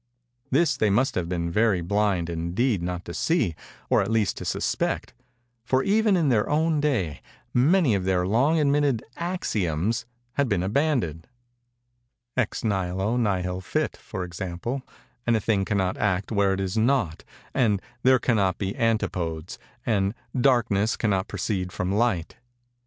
This they must have been very blind, indeed, not to see, or at least to suspect; for, even in their own day, many of their long admitted 'axioms' had been abandoned:—'ex nihilo nihil fit,' for example, and a 'thing cannot act where it is not,' and 'there cannot be antipodes,' and 'darkness cannot proceed from light.